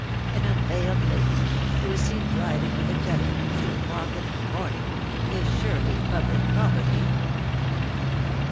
An unveiled lady, who is seen driving with a gendeman at two o'clock in the morning, is surely public property.'